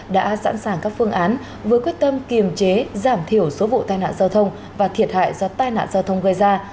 đã sẵn sàng các phương án vừa quyết tâm kiềm chế giảm thiểu số vụ tai nạn giao thông và thiệt hại do tai nạn giao thông gây ra